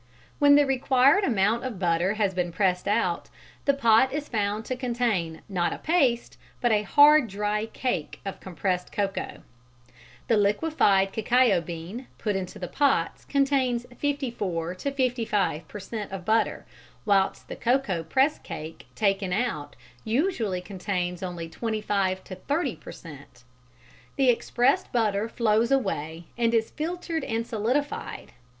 When the required amount of butter has been pressed out, the pot is found to contain not a paste, but a hard dry cake of compressed cocoa. The liquified cacao bean put into the pots contains 54 to 55 per cent. of butter, whilst the cocoa press cake taken out usually contains only 25 to 30 per cent. The expressed butter flows away and is filtered and solidified (see page 158).